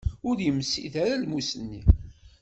Ur yemsid ara lmus-nni.